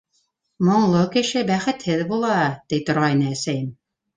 Моңло кеше бәхетһеҙ була, ти торғайны әсәйем...